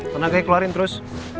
tenang kay keluarin terus